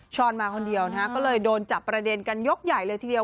อนมาคนเดียวนะฮะก็เลยโดนจับประเด็นกันยกใหญ่เลยทีเดียว